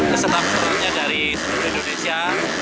kesetap perannya dari seluruh indonesia